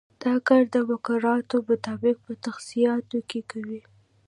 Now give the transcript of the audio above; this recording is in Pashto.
دا کار د مقرراتو مطابق په تخصیصاتو کې کوي.